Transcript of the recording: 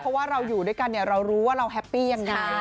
เพราะว่าเราอยู่ด้วยกันเรารู้ว่าเราแฮปปี้ยังไง